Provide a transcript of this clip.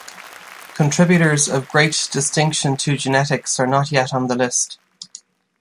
Contributors of great distinction to genetics are not yet on the list.